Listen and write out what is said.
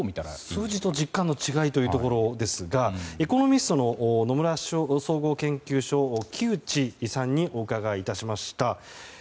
数字と実感の違いというところですがエコノミストの野村総合研究所木内さんにお伺いいたしました。